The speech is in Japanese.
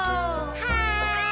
はい！